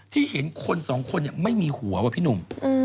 ที่เห็นคนสองคนไม่มีหัวว่ะพี่หนุ่ม